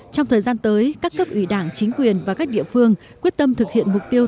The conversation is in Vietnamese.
trong thời gian tới các cấp ủy đảng chính quyền và các địa phương quyết tâm thực hiện mục tiêu